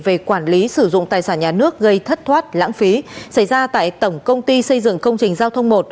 về quản lý sử dụng tài sản nhà nước gây thất thoát lãng phí xảy ra tại tổng công ty xây dựng công trình giao thông một